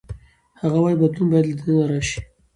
هغه وايي بدلون باید له دننه راشي.